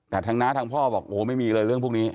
แต่ทางน้าทางพ่อบอกโอ้โหไม่มีเลยเรื่องพวกนี้